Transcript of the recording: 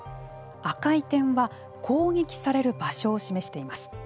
赤い点は攻撃される場所を示しています。